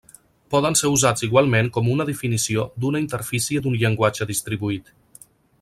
Poden ser usats igualment com una definició d'una interfície d'un llenguatge distribuït.